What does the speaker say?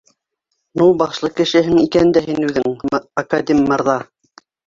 Ну башлы кешеһең икән дә һин үҙең, академ мырҙа